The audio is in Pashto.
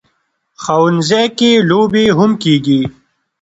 ښوونځی کې لوبې هم کېږي